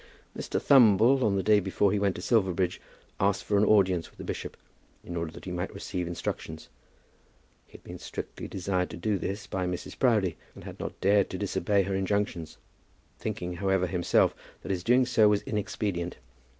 Mr. Thumble, on the day before he went to Silverbridge, asked for an audience with the bishop in order that he might receive instructions. He had been strictly desired to do this by Mrs. Proudie, and had not dared to disobey her injunctions, thinking, however, himself, that his doing so was inexpedient.